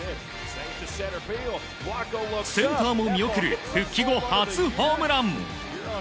センターも見送る復帰後初ホームラン。